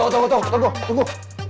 eh eh tunggu tunggu tunggu